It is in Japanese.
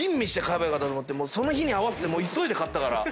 その日に合わせて急いで買ったから。